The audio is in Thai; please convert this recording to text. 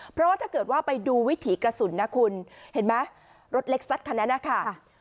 เพราะว่าถ้าเกิดว่าไปดูวิถีกระสุนนะคุณเห็นไหมรถเล็กซัดคันนั้นนะคะ